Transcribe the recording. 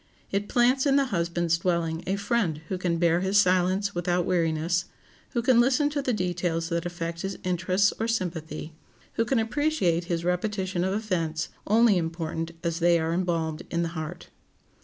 It plants in the husband's dwelling a friend who can bear his silence without weariness; who can listen to the details that affect his interests or sympathy; who can appreciate his repetition of events, only important as they are embalmed in the heart.